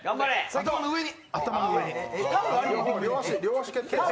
頭の上に！